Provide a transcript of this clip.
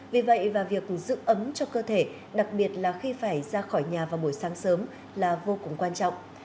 vì vậy và việc giữ ấm cho cơ thể đặc biệt là khi phải ra khỏi nhà vào buổi sáng sớm là vô cùng quan trọng